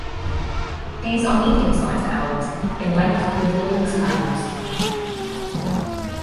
These are medium-sized owls, in length with wingspans.